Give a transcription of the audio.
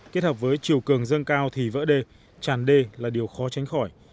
kết hợp với chiều cường dâng cao thì vỡ đê tràn đê là điều khó tránh khỏi